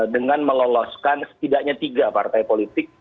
dengan meloloskan setidaknya tiga partai politik